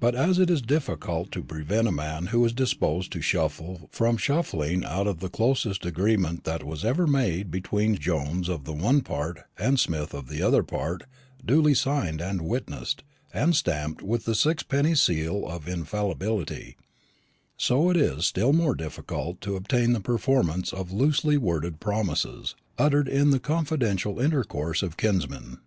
But as it is difficult to prevent a man who is disposed to shuffle from shuffling out of the closest agreement that was ever made between Jones of the one part, and Smith of the other part, duly signed, and witnessed, and stamped with the sixpenny seal of infallibility, so is it still more difficult to obtain the performance of loosely worded promises, uttered in the confidential intercourse of kinsmen.